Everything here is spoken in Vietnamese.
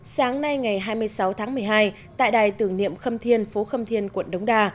sáng nay ngày hai mươi sáu tháng một mươi hai tại đài tưởng niệm khâm thiên phố khâm thiên quận đống đa